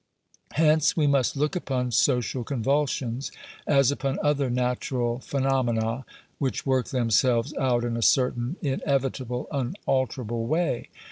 Hence, we must look upon social convulsions as upon other , natural phenomena, which work themselves out in a certain . inevitable, unalterable way.